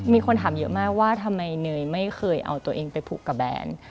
มีคนถามเยอะมากว่าทำไมเนยไม่เคยเอาตัวเองไปผูกกับแบน